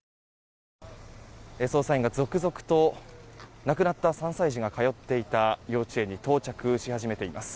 捜査員が続々と亡くなった３歳児が通っていた幼稚園に到着し始めています。